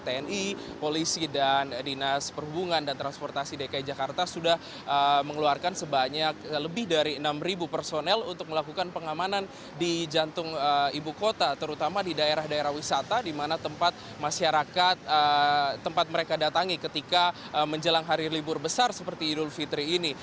dari tni polisi dan dinas perhubungan dan transportasi dki jakarta sudah mengeluarkan lebih dari enam personel untuk melakukan pengamanan di jantung ibu kota terutama di daerah daerah wisata di mana tempat masyarakat tempat mereka datangi ketika menjelang hari libur besar seperti idul fitri ini